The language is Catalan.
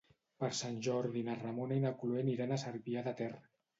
Per Sant Jordi na Ramona i na Cloè aniran a Cervià de Ter.